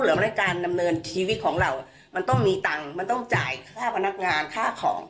รายการดำเนินชีวิตของเรามันต้องมีตังค์มันต้องจ่ายค่าพนักงานค่าของ